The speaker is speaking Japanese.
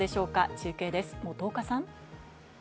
中継です、本岡さん。